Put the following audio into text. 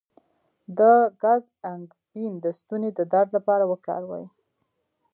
د ګز انګبین د ستوني د درد لپاره وکاروئ